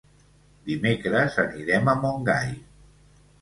Dimecres anirem a Montgai.